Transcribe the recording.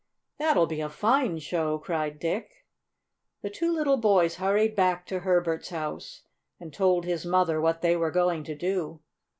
"That'll be a fine show!" cried Dick. The two little boys hurried back to Herbert's house, and told his mother what they were going to do.